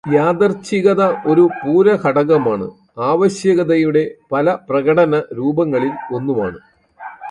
യാദൃശ്ചികത ഒരു പൂരകഘടകമാണ്, ആവശ്യകതയുടെ പല പ്രകടനരൂപങ്ങളിൽ ഒന്നുമാണ്.